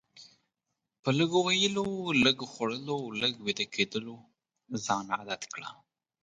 په لږ ویلو، لږ خوړلو او لږ ویده کیدلو ځان عادت کړه.